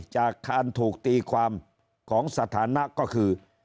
จากการถูกตีความของสถานะก็คือ